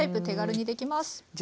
手軽にできます。